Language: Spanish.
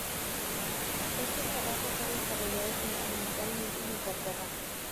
Este trabajo se ha desarrollado fundamentalmente en Inglaterra.